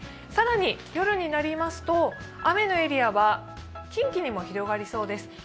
更に夜になりますと雨のエリアは近畿にも広がりそうです。